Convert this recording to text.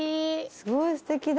すごいすてきだ。